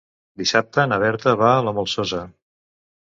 Dissabte na Berta va a la Molsosa.